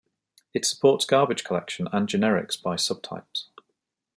It supports garbage collection and generics by subtypes.